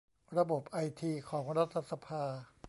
ระบบไอทีของรัฐสภา